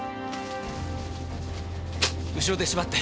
後ろで縛って。